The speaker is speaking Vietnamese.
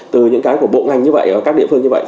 từ những cái của bộ ngành như vậy ở các địa phương như vậy